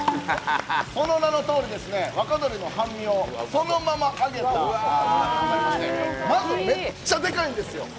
その名のとおり、若鶏の半身をそのまま揚げたものでございまして、まずめっちゃでかいんですよ